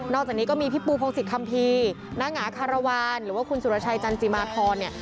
จากนี้ก็มีพี่ปูพงศิษยคัมภีร์นางงาคารวาลหรือว่าคุณสุรชัยจันจิมาธรเนี่ย